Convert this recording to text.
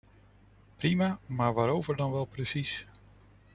Prima, maar waarover dan wel precies?